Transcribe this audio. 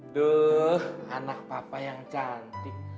duh anak papa yang cantik